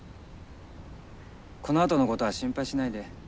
このあとのことは心配しないで。